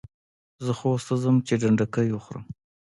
زه خوست ته ځم چي ډنډکۍ وخورم.